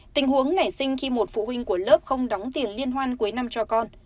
tình huống nảy sinh khi một phụ huynh của lớp không đóng tiền liên hoan cuối năm cho con